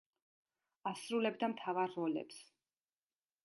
ასრულებდა მთავარ როლებს.